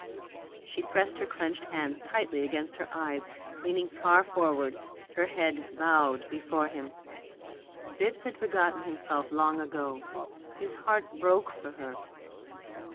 She pressed her clenched hands tightly against her eyes, leaning far forward, her head bowed before him. Bibbs had forgotten himself long ago; his heart broke for her.